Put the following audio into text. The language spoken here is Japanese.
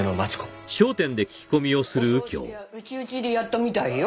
お葬式は内々でやったみたいよ。